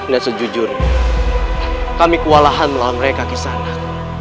dan sejujurnya kami kewalahan melawan mereka kisah anak